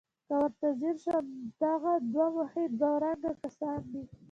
که ورته ځیر شو همدغه دوه مخي دوه رنګه کسان دي.